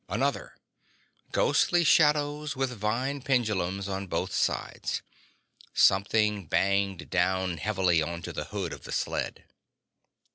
Another. Ghostly shadows with vine pendulums on both sides. Something banged down heavily onto the hood of the sled.